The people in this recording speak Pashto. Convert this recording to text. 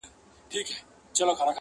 • و دې پتنګ زړه ته مي ګرځمه لمبې لټوم,